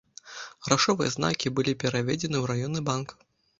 Грашовыя знакі былі пераведзены ў раённы банк.